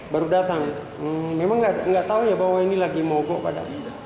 baru datang memang nggak tahu ya bahwa ini lagi mogok pada